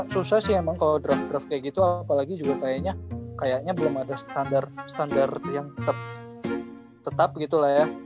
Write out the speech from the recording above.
susah sih emang kalau draft draft kayak gitu apalagi juga kayaknya belum ada standar standar yang tetap gitu lah ya